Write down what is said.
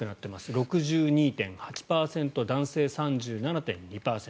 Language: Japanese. ６２．８％男性は３７．２％。